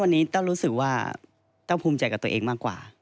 วันนี้แต้วรู้สึกว่าเต้าภูมิใจกับตัวเองมากกว่า